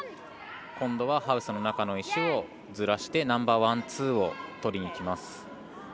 今度はハウスの中の石をずらしてナンバーワン、ツーをとりにいきます。